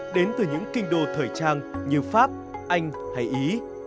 đến từ những kinh đô thời trang như pháp anh hay ý